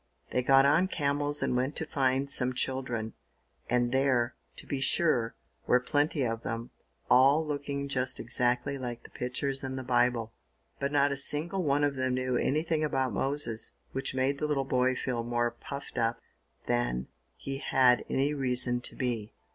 They got on camels and went to find some children, and there, to be sure, were plenty of them, all looking just exactly like the pictures in the Bible; but not a single one of them knew anything about Moses, which made the little boy feel more puffed up than he had any reason to be.